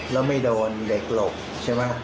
แล้วไม่โดนเด็กหลบใช่ไหม